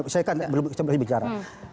saya kan belum lagi bicara